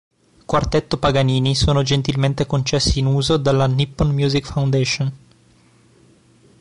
Quartetto Paganini sono gentilmente concessi in uso dalla Nippon Music Foundation.